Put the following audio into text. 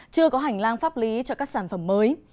chưa có hành lang pháp lý cho các sản phẩm mới